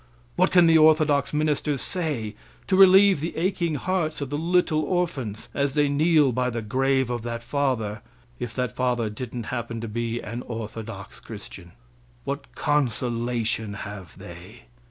What can the orthodox ministers say to relieve the aching hearts of the little orphans as they kneel by the grave of that father, if that father didn't happen to be an orthodox Christian? What consolation have they?